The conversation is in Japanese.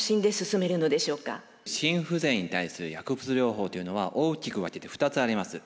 心不全に対する薬物療法というのは大きく分けて２つあります。